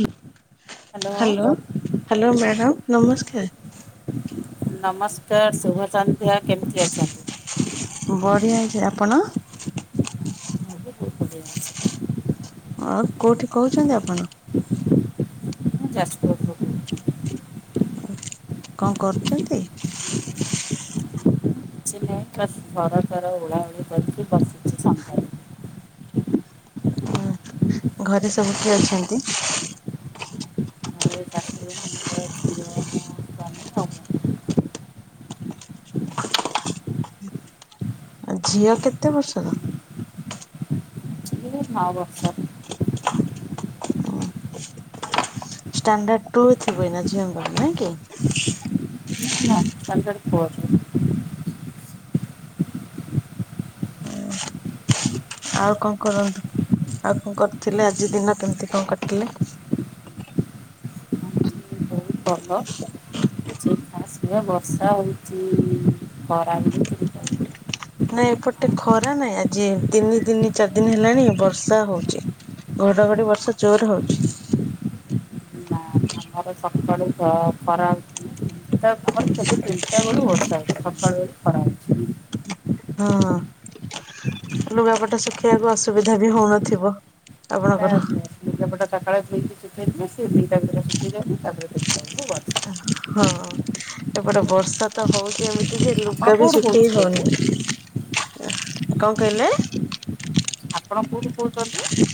Hello hello madam ନମସ୍କାର। ନମସ୍କାର ଶୁଭ ସନ୍ଧ୍ୟା କେମିତି ଅଛନ୍ତି? ବଢିଆ ଅଛି ଆପଣ? ମୁଁ ବି ବହୁତ ବଢ଼ିଆ ଅଛି। ଆଉ କୋଉଠି କହୁଛନ୍ତି ଆପଣ? ଯାଜପୁରରୁ କହୁଛି। କଣ କରୁଛନ୍ତି? କିଛିନାଇ ବାସ୍ ଘରଦ୍ୱାର ଓଳା ଓଳି କରିକି ବସିଛି। ଘରେ ସବୁ କିଏ ଅଛନ୍ତି? ମୋର ଏଇ ଶାଶୁ ମୋର ଝିଅ ମୋ ସ୍ୱାମୀ ଆଉ ମୁଁ। ଆ ଝିଅ କେତେ ବର୍ଷର? ଛ ବର୍ଷର। ଷ୍ଟାଣ୍ଡାଡ୍ ଟୁ ଥିବ ନା ଝିଅଙ୍କର ନାଇଁ କି? ସାନଟାର ଫୋର୍। ଆଉ କଣ କରନ୍ତି? ଆଉ କଣ କରୁଥିଲେ ଆଜି ଦିନ କେମିତି କଣ କାଟିଲେ? ହମ। ଆଜି ସେ ବର୍ଷା ହଉଚି ଖରା ବି ନାଇଁ ଏପଟେ ଆଉ ଖରା ନାଇଁ ଆଜି ତିନି ତିନି ଚାରି ଦିନ ହେଲାଣି ବର୍ଷା ହଉଛି। ଘଡଘଡି ବର୍ଷା ଜୋର ହଉଛି। [inaudible] ଘର ସକାଳୁ ଖରାଛି। ଆମର ସେଠି ତିନିଟା ବେଳୁ ବର୍ଷା ହେଉଛି ସକାଳ ବେଳୁ ଖରା ହଉଛି। ହଁ ଲୁଗାପଟା ଶିଖେଇିବାକୁ ଅସୁବିଧା ବି ହଉନଥିବ ନା ଆପଣଙ୍କର ଲୁଗାପଟା ସବୁ ସକାଳେ ଧୋଇକି ଶୁଖେଇଦେଉଛି ଦିଟା ଭିତରେ ଶୁଖି ଯାଉଏ ତାପରେ ଦେଖଲାବେଳକୁ ବରସା ହଁ ଏପଟେ ବର୍ଷା ତ ହଉଛି ଏମତି ସେ ଆପଣ ଲୁଗା ବି କୋଉଠୁ ଶୁଖେଇ କହୁଥିଲେ କି ହଉନି କଣ କହିଲେ? ଆପଣ କୋଉଠି କହୁଛନ୍ତି?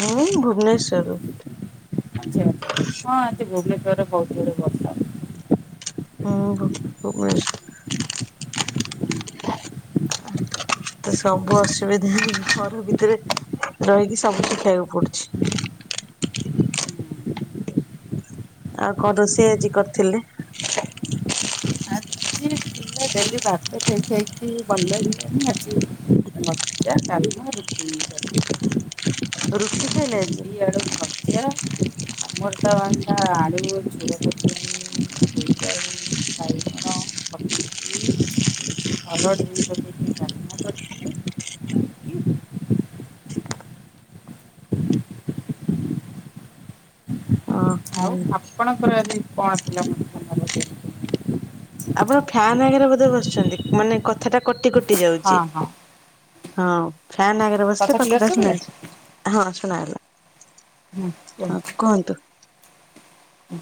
ମୁଁ ଭୁବନେଶ୍ୱରରୁ। ଆଛା ହଁ ଆଜି ଭୁବନେଶ୍ୱରରେ ବହୁତ ଜୋରରେ ଵର୍ଷା ହେଉଛି। ହୁଁ ଭେଶ [unintelligible] ତ ସବୁ ଅସୁବିଧା ଘର ଭିତରେ ରହିକି, ସବୁଛିି ଖାଇବାକୁ ପଡୁଛି। [inaudible] ଆଉ କଣ ରୋଷେଇ ଆଜି କରିଥିଲେ? ଆଜି ଡେଲି ବାଟ ଖଇକି ବଧଣି ଅଛି ଲଜା କାନ ରୁ [unintelligible] [inaudible] [inaudible] ଡି ଆଡକୁ ଖଚରେ ଅମୃତା ଭଣ୍ଡା ଆଳିବ ଚୁଡ଼କୁ ଚୁଣି [unintelligible] ଇ ଘଣ [unintelligible] ପାଲ କରିଥିଲେ [unintelligible] ଆଉ ଓହୋ ଆପଣଙ୍କର ଆଜି କଣ ଥିଲା! [unintelligible] ଆପଣ ଫ୍ୟାନ ଆଗରେ ବୋଧେ ବସଛନ୍ତି, ମାନେ କଥା ଟା କଟି କଟି ଯାଉଛି! ହଁ ହଁ ହଁ ଫ୍ୟାନ ଆଗରେ ବସିଲେ କଥା କ୍ଲିୟର ଶୁଭିଲା ହଁ କୁହନ୍ତୁ!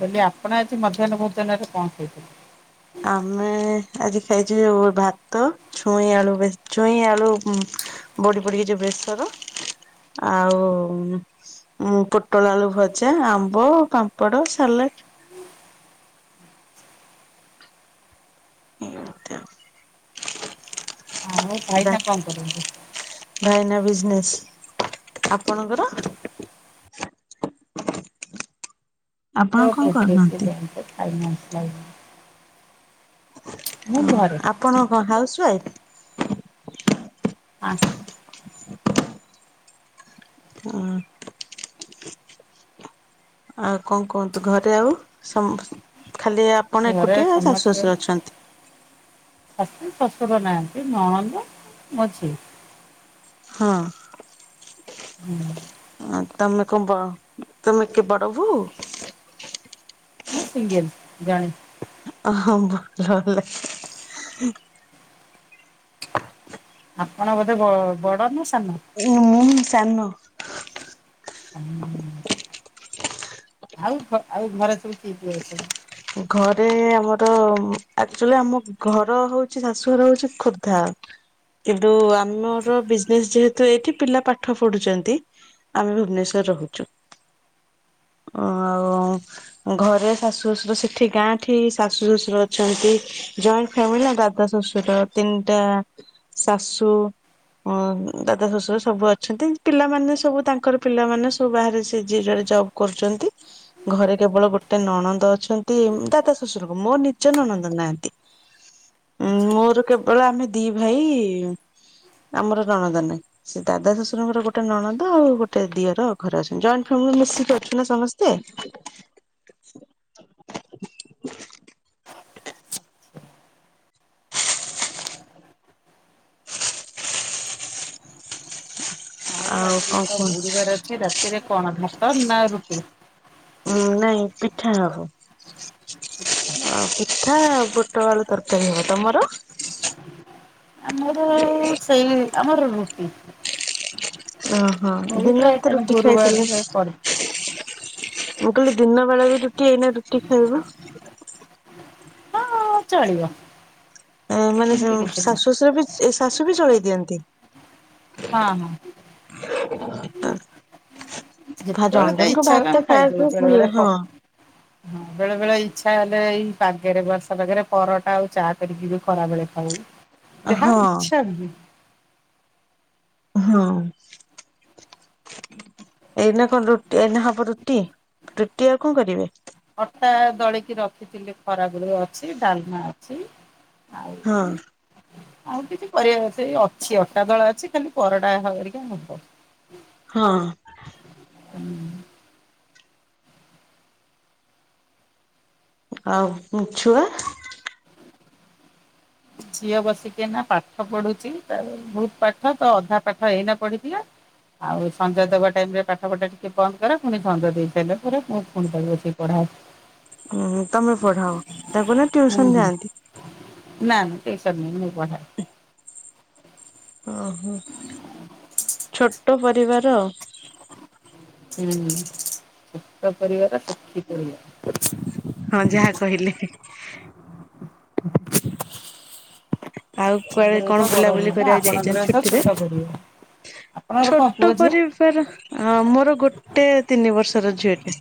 କହିଲି ଆପଣ ଆଜି ମଧ୍ୟାହ୍ନ ଭୋଜନରେ କଣ ଖାଇଥିଲେ? ଆମେ ଆଜି ଖାଇଛୁ, ଯଉ ଭାତ ଛୁଇଁ ଆଳୁ ବ ଛୁଇଁ ଆଳୁ ବଡ଼ି ପଡିିକି ଯୋ ବେଶର ଆଉ ପୋଟଳ ଆଳୁ ଭଜା, ଆମ୍ବ, ପାମ୍ପଡ, ସାଲାଡ ଏମିତି ଆଉ ଆଉ। ଭାଇନା କଣ କରନ୍ତି ଭାଇନା ବି ଆପଣଙ୍କର? [inaudible] କଣ ଗୁଦଛି କରୁଛନ୍ତି? Bank finance line. ମୁଁ ହ ଘରେ ଆପଣଙ୍କ କଣ ହାଉସ ୱାଇଫ? [inaudible] ହଁ। ଆଉ କଣ କୁହନ୍ତୁ ଘରେ ଆଉ ସମ ଖାଲି ଆପଣ ଘରେ ଏକୁଟିଆ ଶାଶୁ ସମସ୍ତେ ଶାଶୁ ଅଛନ୍ତି। ଶଶୁର ନାହାନ୍ତି ନଳନ୍ଦ ମଝି ହଁ। ହୁଁ। ତମେ କ ତମେ କେ ବଡବୋହୁ? ମୁଁ ସିଙ୍ଗଲ ଜଣେ। ହଁ ଭଲହେଲା। ଆପଣ ବୋଧେ ବ ବଡ ନା ସା ମୁଁ ସାନ। ହୁଁ। ଆଉ ଘ ଆଉ ଘରେ ସବୁ କିଏ କିଏ ଅଛନ୍ତି? ଘରେ ଆମର ଏକ୍ଟୁଆଳି ଆମ ଘର ହଉଛି ଶାଶୁଘର ହଉଛି ଖୋର୍ଦ୍ଧା। କିନ୍ତୁ ଆମର ବିଜନେସ ଯେହେତୁ, ଏଇଠି ପିଲା ପାଠ ପଢୁଛନ୍ତି ଆମେ ଭୁବନେଶ୍ଵର ରହୁଛୁ। ଓ ଆଉ ଘରେ ଶାଶୁ ଶଶୁର ଶେ ଏଠି ଗାଁଠି ଶାଶୁ ଶ୍ୱଶୁର ଅଛନ୍ତି ଜଏଣ୍ଟ ଫ୍ୟାମିଲି ନା ଦାଦା ଶ୍ୱଶୁର ତିନିଟା ଶାଶୂ ଅ ଦାଦା ଶ୍ୱଶୁର ସବୁ ଅଛନ୍ତି, ପିଲାମାନେ ସବୁ ତାଙ୍କର ପିଲାମାନେ ସବୁ ବାହାରେ ସେ ଯିଏ ଯୁଆଡେ ଜବ କରୁଛନ୍ତି, ଘରେ କେବଳ ଗୋଟେ ନଣନ୍ଦ ଅଛନ୍ତି ଦାଦ ଶ୍ୱଶୁର ଙ୍କ, ମୋର ନିଜନ ନନ୍ଦ ନାହାନ୍ତି ଉଁମ ମୋର କେବଳ ଆମେ ଦି ଭାଇ ଆମର ନଣଦ ନାହିଁ, ସେ ଦା ଶଶୁରଙ୍କର ଗୋଟେ ନଣଦ ଆଉ ଗୋଟେ ଦିଅର ଘରେ ଅଛନ୍ତି, ଜଏଣ୍ଟ ଫାମିଲି। ମିଶିକି ଅଛୁ ନା ସମସ୍ତେ ଆଉ ଆଜି କଣ ତ କୁହ ଗୁରୁବାର ଅଛି ରାତିରେ କଣ ଭାତ ନା ରୁଟି? ହଁ ନାଇଁ ପିଠା ହବ। ଆଉ ପିଠା ବୋଟ ଆଳୁ ତରକାରୀ ହବ, ତମର? ଆ ମୋର ସେଇ ଆମର ରୁଟିି ଓହୋ ଦିନରେ ତ ରୁଟି ଖାଇଥିଲେ। ଗୁରୁବାରରେ କରେ ମୁଁ କହିଲି ଦିନ ବେଳାର ରୁଟି ଏଇନା ରୁଟି ଖାଇବ। ହ ଚଳିବ ମାନେ ଏମିତି ଶାଶୁ କିଛି ନୁହଁ। ଶଶୁର ବି ଶାଶୁ ବି ଚଳେଇ ଦିଅନ୍ତି। ହଁ ହଁ ହଁ ଯେତେବେଳେ ଜନ ତ ଜଣଙ୍କୁ ଇଚ୍ଛା ହୁଏ ଭାତ ଆମେ ଖାଇବା ଖାଇଦଉ ପାଇ ବେଳେ ବେଳେ ଭଲ ପ ହଁ ହଁ ବେଳେ ବେଳେ ଇଚ୍ଛା ହେଲେ ଏଇ ପାାଗରେ ବର୍ଷା ପାଗରେ ପରଟା ଆଉ ଚା କରିକି ବି ଖରାବେଳେ ଖାଉ। ଯାହା ହଁ ଈଛା ହୁ। ହଁ। ଏଇନା କଣ ରୁଟି ଏଇନା ହବ ରୁଟି ରୁଟି ଆଉ କଣ କରିବେ? ଅଟା ଦଳିକି ରଖିଥିଲି ଖରାବେଳୁ ଅଛି ଡାଲମା ଅଛି। ଆଉ ହଁ। ଆଉ କିଛି କରିଆ ସେ ଅଛି ଅଟା ଦଳା ଅଛି ଖାଲି ପରଟା ହରିକା ହବ। ହଁ। ହୁଁ ହଁଉ ଛୁଆ ଝିଅ ବସିକି ଏଇନା ପାଠପଢୁଚି ତାର ବୋହୁତ ପାଠ ତ ଅଧା ପାଠ ଏଇନା ପଢିଦିଏ। ଆଉ ସଞ୍ଜ ଦେବା ଟାଇମ ରେ ପାଠ ପଢା ଟିକେ ବନ୍ଦ କରେ ପୁଣି ସଞ୍ଜ ଦେଇ ସାସାଇଲା ପରେ ମୁଁ ପୁଣି ତାକୁ ବସି ପଢା [unintelligible] ହୁଁ ହୁଁ ତମେ ପଢାଅ ତାକୁ ନା ହୁଁ ଟିଉସନ ହୁଁ ଯାଆନ୍ତି? ନା ନା ଟିଉସନ ମୁଁ ପଢାଏ। ଓହୋ ଛୋଟ ପରିବାର। ହୁଁ ଛୋଟ ପରିବାର ସୁଖୀ ପରିବାର। ହଁ ଯାହା କହିଲେ। ଆଉ କୁଆଡେ ଆମର ତ କଣ ବଡ ବୁଲା ବୁଲି ନୁହେଁ ନା କରିବାକୁ ଯାଇଛ ଆପଣଙ୍କର ତ ଛୁଟିରେ? ଛୋଟ ପରିବାର। ଆପଣଙ୍କର କଣ ଛୋଟ ପୁଅ ଝିଅ? ପରିବାର ହଁ ମୋର ଗୋଟେ ତିନି ବର୍ଷ ର ଝିଅଟିଏ।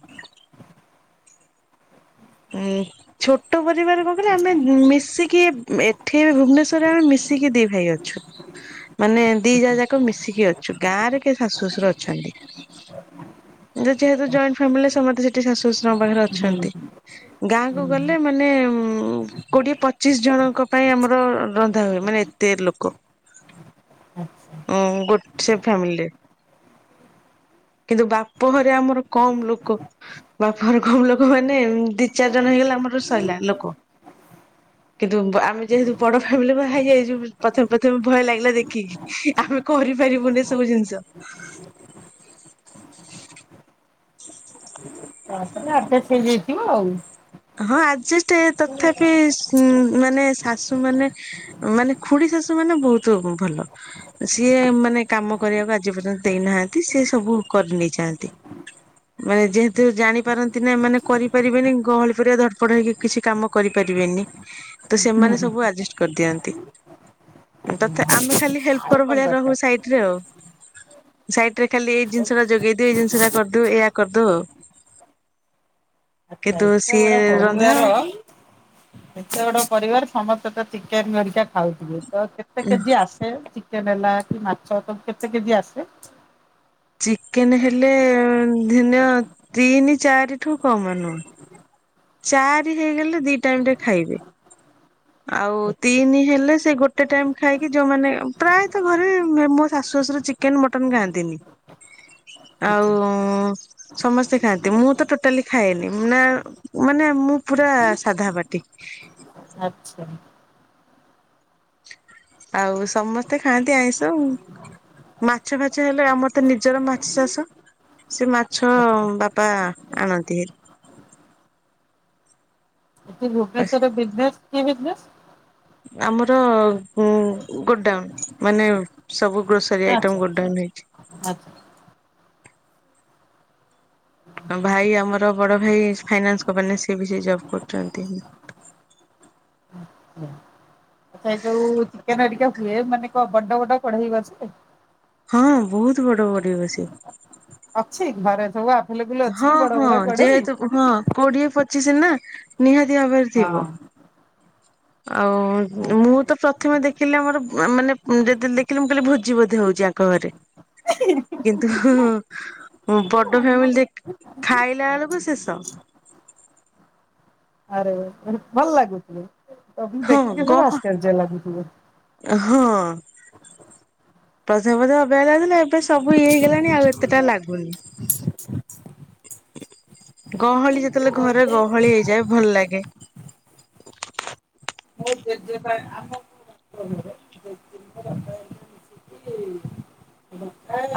ଏ ଛୋଟ ପରିବାର କଣ କହିଲେ ଆମେ ମିଶି କି ଏ ଏଠି ବି ଭୁବନେଶ୍ୱରରେ ଆମେ ମିଶିକି ଦି ଭାଇ ଅଛୁ। ମାନେ ଦି ଯାଆ ଯାକ ମିଶିକି ଅଛୁ ଗାଁରେ କିଏ ଶାଶୁ ଶଶୁର ଅଛନ୍ତି। ଯ-ଯେହେତୁ ଯଏଣ୍ଟ ଫ୍ୟାମିଲିରେ ସମସ୍ତେ ସେଠି ଶାଶୁ ଶ୍ୱଶୁରଙ୍କ ପାଖରେ ହୁଁ ହୁଁ ଅଛନ୍ତି। ଗାଁ କୁ ଗଲେ ମାନେ ଉଁ କୋଡିଏ ପଚିଶ୍ ଜଣଙ୍କ ପାଇଁ ଆମର ର-ରନ୍ଧା ହୁଏ। ମାନେ ଏତେ ଲୋକ। ଆଚ୍ଛା ହୁଁ ଗୋଟ ସେ ଫ୍ୟାମିଲି। କିନ୍ତୁ ବାପ ଘରେ ଆମର କମ୍ ଲୋକ ବାପ ଘରେ କମ୍ ଲୋକ ମାନେ ଦି ଚାରି ଜଣ ହେଇଗଲେ ଆମର ସଇଲା ଲୋକ। କିନ୍ତୁ ବ ଆମେ ଯେହେତୁ ବଡ ଫ୍ୟାମିଲି ବାହା ହେଇଯାଇଚୁ ବି ପ୍ରଥମେ ପ୍ରଥମେ ଭୟ ଲାଗିଲା ଦେଖିକି। ଆମେ କରିପାରିବୁନି ଏସବୁ ଜିନଷ। [unintelligible] ତାପରେ ଆଡଜଷ୍ଟ ହୋଇଯାଇଥିବ ଆଉ। ହଁ ଆଡଜଷ୍ଟେ ତଥାପି ସ ମାନେ ଶାଶୁ ମାନେ ମାନେ ଖୁଡି ଶାଶୁ ମାନେ ବୋହୁତୁ ଉ ଭଲ ସିଏ ମାନେ କାମ କରିବାକୁ ଆଜି ପର୍ଯ୍ୟନ୍ତ ଦେଇନାହାନ୍ତି ସିଏ ସବୁ କରି ନେଇଯାଆନ୍ତି ମାନେ ଯେହେତୁ ଜାଣିପାରନ୍ତି ଏମାନେ କରିପାରିବେନି ଗହଳି ଧଡପଡ ହେଇକି କିଛି କାମ କରିପାରିବେନି ତ ସେମାନେ ସବୁ ଅଡଜଷ୍ଟ କରିଦିଅନ୍ତି। ତଥା ଆମେ ଖାଲି ଆଉ ହେଲପର୍ କଣ ଭଳିଆ ରହୁ ଦରକାର ସାଇଟରେ ଆଉ। ସାଇଟରେ ଖାଲି ଏଇ ଜିନଷଟା ଯୋଗେଇ ଦିଅ ଏଇ ଜିନିଷଟା କରିଦୋଉ ଏଇଆ କରଦୋଉ ଆଉ ଆଚ୍ଛା କିନ୍ତୁ ସ୍ ଏତେ ବଡ଼ ପରିବାର। ଏତେ ବଡ଼ ପରିବାର ସମସ୍ତେ ତ ଚିକେନ ହରିକା ଖାଉଥିବେ ତ କେତେ କେଜି ଆସେ ଚି ଚିକେନ ହେଲା କି ମାଛ ତମ୍ କେତେ କେଜି ଆସେ? ଚିକେନ ହେଲେ ଧିନିଅ ତିନି ଚାରିଠୁ କମ ନୁହଁ। ଚାରି ହେଇଗଲେ ଦି ଟାଇମଟେ ଖାଇବେ। ଆଉ ଆଚ୍ଛା ତିନି ହେଲେ ସେ ଗୋଟେ ଟାଇମ ଖାଇକି ଯୋଉମାନେ ପ୍ରାୟତଃ ଘରେ ମୋ ଶାଶୁ ର ଚିକେନ ମଟନ୍ ଖାଆନ୍ତିନି ଆଉ ସମସ୍ତେ ଖାଆନ୍ତି ମୁଁ ତ ଟୋଟାଲି ଖାଏନି ନା ମାନେ ମୁଁ ପୁ ପୁରା ସାଧା ପାଟି। ଆଚ୍ଛା। ଆଉ ସମସ୍ତେ ଖାଆନ୍ତି ଆଇଁଷ! ମାଛ ଫାଛ ହେଲେ ଆମର ତ ନିଜର ମାଛ ଚାଷ। ସେ ମାଛ ବାପା ଆଣନ୍ତି ହେରି ଏ ଭୁବନେଶ୍ୱରରେ ବିଜନେସ କି ବିଜନେସ? ଆମର ଗୋଡାଉନ ମାନେ ସବୁ ଗ୍ରୋସରୀ ଆଚ୍ଛା ଆଇଟମ ଗୋଡଡାଉନ ହେଇଛି। ଆଚ୍ଛା। ଆଚ୍ଛା ଭାଇ ଆମର ବଡ ଭାଇ ଫାଇନାନ୍ସ କମ୍ପାନୀରେ ସେ ବି ସେଇ ଜବ୍ କରୁଛନ୍ତି। ହଁ। ସେ ଯୋଉ ଚିକେନ ଘରିକା ହୁଏ, ମାନେ କଣ ବଡ ବଡ କଢେଇ ବସେ? ହଁ ବହୁତ ବଡ କଢ଼େଇ ବସେ। ଅଛି ଘରେ ସବୁ ଆ ହଁ ହଁ ଯେହେତୁ ହଁ। କୋଡିଏ ପଚିଶ ନା ନିହାତି ଭାବରେ ଥିବ। ଆଉ ମୁଁ ହଁ। ତ ପ୍ରଥମେ ଦେଖିଲି ଆମର ମାନେ ଉଁ ଯେତେବେଳେ ଦେଖିଲି ମୁଁ କହିଲି ଭୋଜି ବୋଧେ ହୋଉ ଚି ଆଙ୍କ ଘରେ କିନ୍ତୁ ବଡ ଫ୍ୟାମିଲି ଦେଖ ଖାଇଲା ବେଳୁକୁ ଶେଷ। ଆରେ ଆରେ ଭଲ ଲାଗୁଚି ତମକୁ ହଁ ଦେଖିକି ସବୁ ଗହ ଆଶ୍ଚର୍ଯ୍ୟ ଲାଗୁଥିବ। [inaudible] ପ୍ରଥମେ ପ୍ରଥମେ ଅବାଗିଆ ଲାଗୁଥିଲା ଏବେ ସବୁ ଇଏ ହେଇଗଲାଣି ଆଉ ଏତେଟା ଲାଗୁନି। [inaudible] ଗହଳି ଯେତେବେଳେ ଘରେ ଗହଳି ହେଇଯାଏ ଭଲ ଲାଗେ। [inaudible] ଯିଏ ପାଏ ଆମ ଜେଜେଙ୍କ ବାପା ହେରିକା ମିଶିକି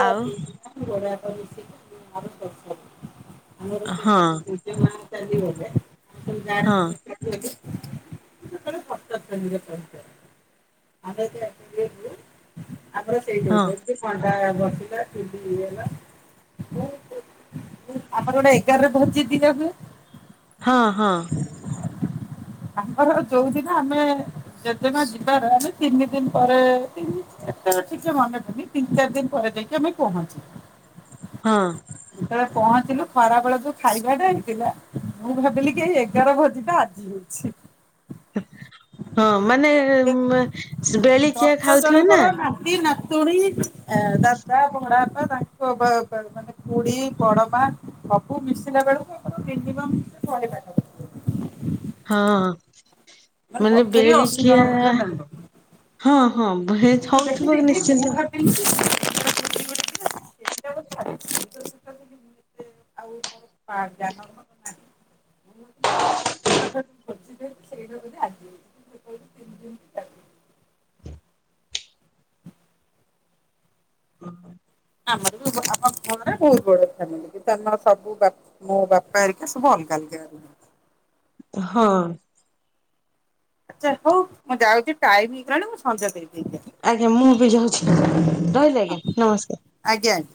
ଆଉ ବଡାବାପା ମିଶିକି ଆ ହଁ। ଜେଜେମା ଚାଲିଗଲେ ଆମେ ସବୁ ଗାଁ ରେ ହଁ। ସବୁ ଏକାଠି ହେଲୁ। ସେତେବେଳେ [unintelligible] ଆମେ ଯେତେବେଳେ। [unintelligible] ଆମର ସେଇଠି ହଁ ହେଇଥିଲା ଏମତି ପଣ୍ଡା ବସିଲା ଚୁଲି ଇଏ ହେଲା ବେ ଆମର ଗୋଟେ ଏଗାରରେ ଭୋଜି ଦିଆ ହୁଏ। ହଁ ହଁ। ଆମର ଯୋଉଦିନ ଆମେ ଜେଜେ ମା ଯିବାର ଆମେ ତିନି ଦିନ ପରେ ତିନି ଦିନ ଏତେ ଅଁ ଠିକ୍ ସେ ମନେ ପଡୁନି ତିନ ଚାରି ଦିନ ପରେ ଯାଇକି ଆମେ ପହଞ୍ଚି ହଁ। ଯେତେବେଳେ ପହଞ୍ଚିଲୁ ଖରା ବେଳ ଯୋଉ ଖାଇବାଟା ହେଇଥିଲା ମୁଁ ଭାବିଲି କି ଏଇ ଏଗାର ଭୋଜି ଟା ଆ ଜି ହୋଉଛି। ହଁ ମାନେ ମା ଦଶ ଜଣଙ୍କର ନାତି ନାତୁଣୀ ଏଁ ଦାଦା ବଡାପା ବାପା ତାଙ୍କ ବାବା ମାନେ ଖୁଡି ବଡମା ସବୁ ମିଶିଲା ବେଳୁକୁ ଆମର ମିନିମମ୍ ଶହେ ପାଖାପାଖି। ହଁ ମାନେ ସତୁରି ଅଶୀ ଜଣ ବେଳିକିଆ ଖଣ୍ଡେ ହଁ ହଁ। ତୁ ହଉଥିବ ଦେଖିଦେଇକି ନିଶ୍ଚିନ୍ତ ମୁଁ ଭାବିଲି କି [inaudible] ଏତେ ଆଉ ମୋର ପା ଜ୍ଞାନ ଗୁଣ ନାହିଁ ମୁଁ ମୁଁ ଭାବିଥିଲି ସେଇ ଯୋଉ ଏଗାରର ଯୋଉ ଭୋଜି ଟା ସେଇଡା ବୋଧେ ଆଜି। [unintelligible] [inaudible] ଆମର ବି ବ ଆମ ବାପ ଘରେ ବୋହୁତ ବଡ ଫ୍ୟାମିଲି କି ତନର ସବୁ ବା ମୋ ବାପା ଆରିକା ସବୁ ଆ ଗା ଅଲଗା ରୁହନ୍ତି। ହଁ। ଆଚ୍ଛା ହୋଉ ମୁଁ ଯାଉଚି ଟାଇମ୍ ହେଇଗଲାଣି ମୁଁ ସନ୍ଧ୍ୟା ଦେବୀ। ଆଜ୍ଞା ମୁଁ ବି ଯାଉଚି ରହିଲି ଆଜ୍ଞା ଆସେ ହଁ ନମସ୍କାର। ଆଜ୍ଞା ଆଜ୍ଞା।